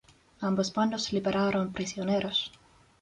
Ambos bandos liberaron prisioneros.